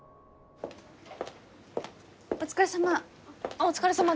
お疲れさま。